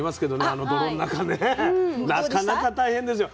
あの泥の中ねなかなか大変ですよ。